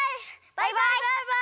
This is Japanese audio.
バイバイ！